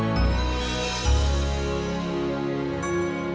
kalo diambil semua